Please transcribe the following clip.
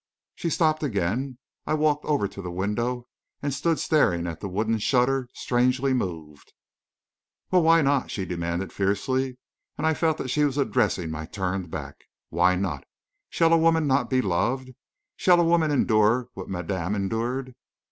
She stopped again. I walked over to the window and stood staring at the wooden shutter, strangely moved. "Well, why not?" she demanded fiercely, and I felt that she was addressing my turned back. "Why not? Shall a woman not be loved? Shall a woman endure what madame endured...."